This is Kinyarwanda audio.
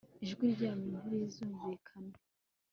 ijwi ryanyu ntirizumvikane